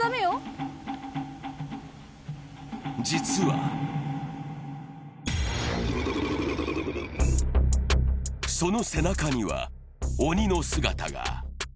実はその背中には鬼の姿が。